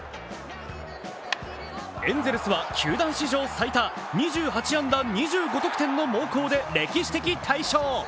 エンゼルスは球団史上最多２８安打２５得点の猛攻で歴史的大勝。